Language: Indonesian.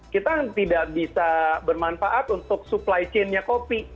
kita tidak bisa bermanfaat untuk supply chain nya kopi